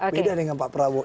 beda dengan pak prabowo